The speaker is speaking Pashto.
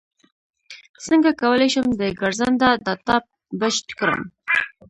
څنګه کولی شم د ګرځنده ډاټا بچت کړم